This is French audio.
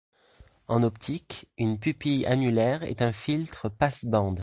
En optique, une pupille annulaire est un filtre passe-bande.